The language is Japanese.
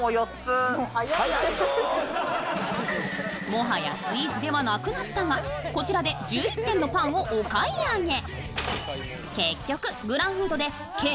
もはやスイーツではなくなったが、こちらで１１点のパンをお買い上げ。